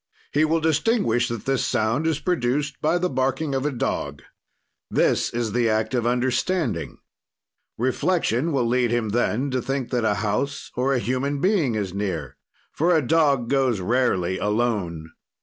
"He will distinguish that this sound is produced by the barking of a dog; this is the act of understanding. "Reflection will lead him then to think that a house or a human being is near, for a dog goes rarely alone.